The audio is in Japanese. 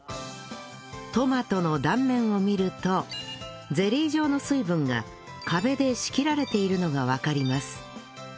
トマトの断面を見るとゼリー状の水分が壁で仕切られているのがわかります